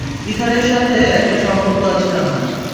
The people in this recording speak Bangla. ইথারের সাথে একটা সম্পর্ক আছে আমার।